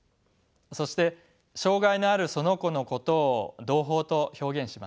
そして障がいのあるその子のことを同胞と表現します。